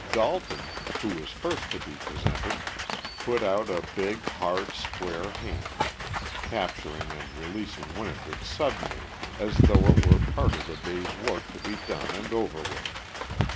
Dalton, who was first to be presented, put out a big, hard, square hand, capturing and releasing Winifred's suddenly as though it were a part of the day's work to be done and over with.